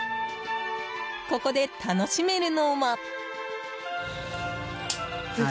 ここで楽しめるのは。